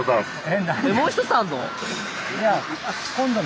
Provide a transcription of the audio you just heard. もう１つあんの？